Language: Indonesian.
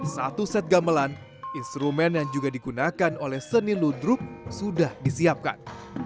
satu set gamelan instrumen yang juga digunakan oleh seni ludruk sudah disiapkan